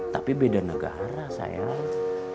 tapi beda negara sayang